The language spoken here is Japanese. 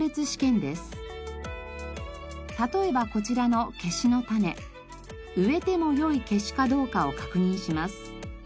例えばこちらの植えてもよいケシかどうかを確認します。